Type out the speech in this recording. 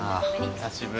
久しぶり。